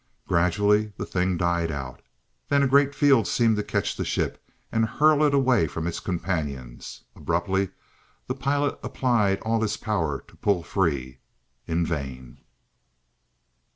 Gradually the thing died out. Then a great field seemed to catch the ship, and hurl it away from its companions. Abruptly the pilot applied all his power to pull free. In vain.